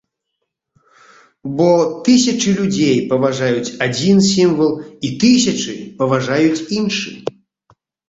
Бо тысячы людзей паважаюць адзін сімвал, і тысячы паважаюць іншы.